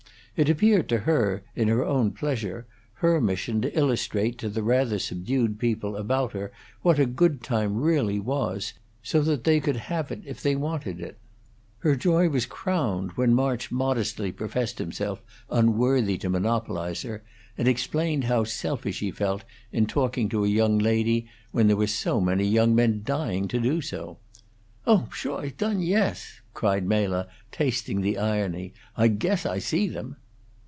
It appeared to her, in her own pleasure, her mission to illustrate to the rather subdued people about her what a good time really was, so that they could have it if they wanted it. Her joy was crowned when March modestly professed himself unworthy to monopolize her, and explained how selfish he felt in talking to a young lady when there were so many young men dying to do so. "Oh, pshaw, dyun', yes!" cried Mela, tasting the irony. "I guess I see them!"